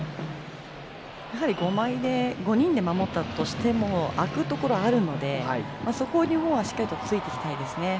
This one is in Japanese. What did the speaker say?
やはり５人で守ったとしても空くところ、あるのでそこを日本はしっかりとついていきたいですね。